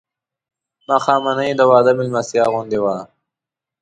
ماښامنۍ یې د واده مېلمستیا غوندې وه.